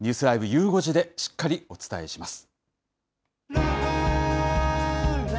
ゆう５時で、しっかりお伝えします。